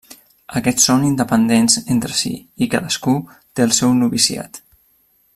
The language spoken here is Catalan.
Aquests són independents entre si i cadascú té el seu noviciat.